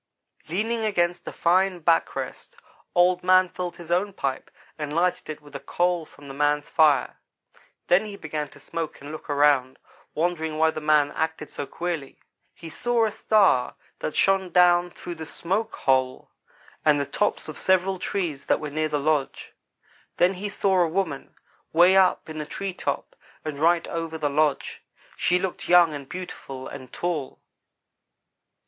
"Leaning against a fine back rest, Old man filled his own pipe and lighted it with a coal from the man's fire. Then he began to smoke and look around, wondering why the man acted so queerly. He saw a star that shone down through the smoke hole, and the tops of several trees that were near the lodge. Then he saw a woman way up in a tree top and right over the lodge. She looked young and beautiful and tall.